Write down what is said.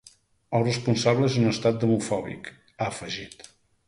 El responsable és un estat demofòbic, ha afegit.